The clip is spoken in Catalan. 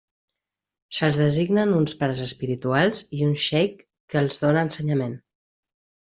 Se'ls designen uns pares espirituals i un xeic que els dóna ensenyament.